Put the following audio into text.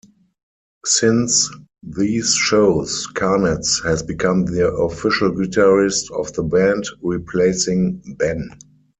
Since these shows, Karnats has become the official guitarist of the band, replacing Ben.